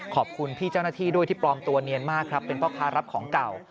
ขอบคุณพี่เจ้าหน้าที่ด้วยที่ปลอมตัวเนียนมากครับเป็นพ่อค้ารับของเก่า